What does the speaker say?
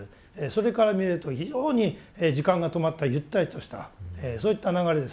それから見ると非常に時間が止まったゆったりとしたそういった流れです。